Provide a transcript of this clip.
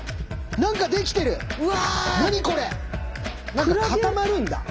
何か固まるんだ。